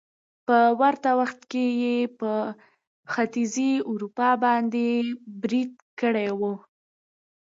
په ورته وخت کې يې په ختيځې اروپا باندې بريد کړی وو